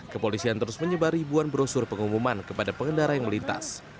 kepolisian terus menyebar ribuan brosur pengumuman kepada pengendara yang melintas